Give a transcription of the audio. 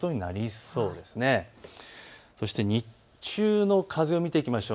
そして日中の風を見ていきましょう。